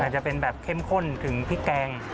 จะเป็นแบบเข้มข้นถึงพริกแกง